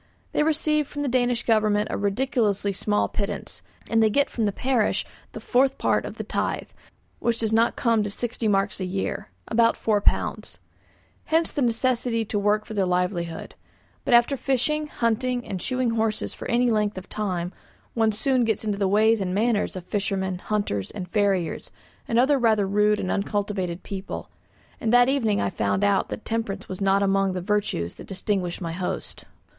They receive from the Danish Government a ridiculously small pittance, and they get from the parish the fourth part of the tithe, which does not come to sixty marks a year (about £4). Hence the necessity to work for their livelihood; but after fishing, hunting, and shoeing horses for any length of time, one soon gets into the ways and manners of fishermen, hunters, and farriers, and other rather rude and uncultivated people; and that evening I found out that temperance was not among the virtues that distinguished my host.